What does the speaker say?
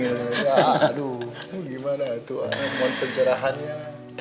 aduh gimana itu anak anak pencerahannya